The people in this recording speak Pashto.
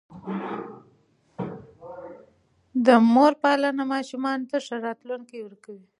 د مور پالنه ماشومانو ته ښه راتلونکی ورکوي.